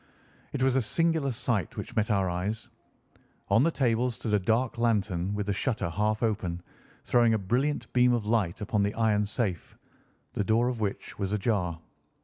It was a singular sight which met our eyes. On the table stood a dark lantern with the shutter half open, throwing a brilliant beam of light upon the iron safe, the door of which was ajar.